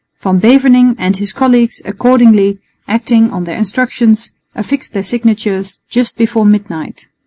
Van Beverningh and his colleagues accordingly, acting on their instructions, affixed their signatures just before midnight.